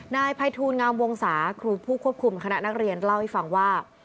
นายภัยทูลงามวงศาครูผู้ควบคุมคณะนักเรียนเล่าให้ฟังว่า